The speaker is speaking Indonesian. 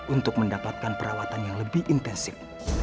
untuk mendapatkan perawatan yang lebih intensif